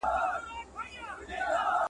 دا پړاو بايد د ټولو لپاره د پېژندو وړ وي.